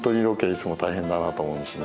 いつも大変だなと思うんですね。